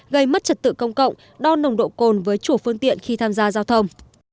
gây mất trật tự công cộng đo nồng độ cồn với chủ phương tiện khi tham gia giao thông